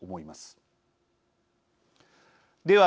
では